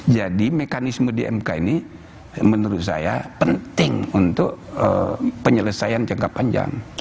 jadi mekanisme dmk ini menurut saya penting untuk penyelesaian jangka panjang